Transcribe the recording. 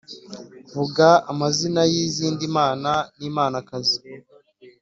vuga amazina y’izindi mana n’imanakazi